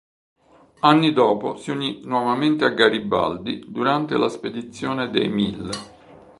Anni dopo si unì nuovamente a Garibaldi durante la spedizione dei Mille.